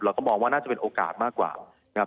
เราก็มองว่าน่าจะเป็นโอกาสมากกว่านะครับ